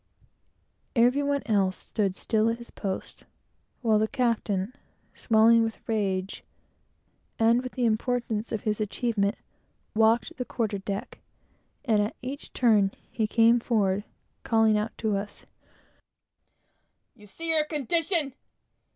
Every one else stood still at his post, while the captain, swelling with rage and with the importance of his achievement, walked the quarter deck, and at each turn, as he came forward, calling out to us, "You see your condition!